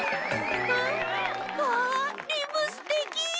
ん？わリムすてき！